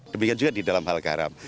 demikian juga di dalam hal garam